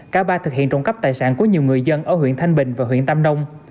cả ba thực hiện trộm cắp tài sản của nhiều người dân ở huyện thanh bình và huyện tam nông